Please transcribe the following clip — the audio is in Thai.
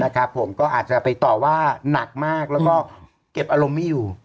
ผมก็อาจจะไปต่อว่าหนักมากแล้วก็เก็บอารมณ์ไม่อยู่